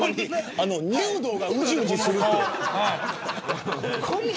入道がうじうじするって。